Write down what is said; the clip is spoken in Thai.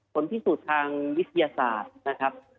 ผลพิสูจน์ทางวิทยาศาสตร์นะครับ